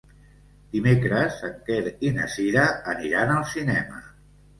Dimecres en Quer i na Cira aniran al cinema.